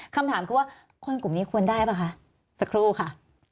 คำถามคือว่าคนกลุ่มนี้ควรได้ป่ะคะสักครู่ค่ะ